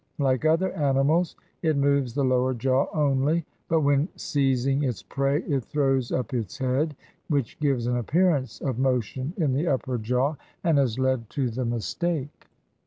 Like other animals, it moves the lower jaw only; but when seizing its prey, it throws up its head, which gives an appearance of motion in the upper jaw, and has led to the mistake.